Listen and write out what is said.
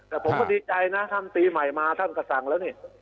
แต่ผมก็ดีใจนะท่านปีใหม่มาท่านก็สั่งแล้วนี่